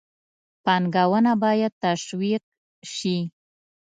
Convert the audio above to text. پانګونه باید تشویق شي.